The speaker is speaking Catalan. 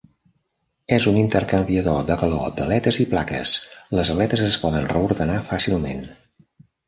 En un intercanviador de calor d'aletes i plaques, les aletes es poden reordenar fàcilment.